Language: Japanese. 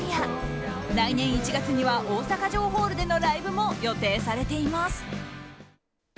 来年１月には、大阪城ホールでのライブも予定されています。